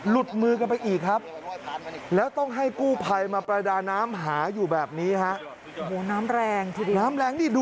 รู้ขนาดกู้ภัยไหว้ดิไหว้อย่างสวนแก่แสนน้ำไม่ไหว